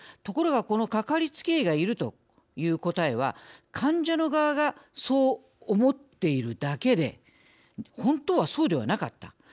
ところがこの「かかりつけ医がいる」という答えは患者の側がそう思っているだけで本当はそうではなかった。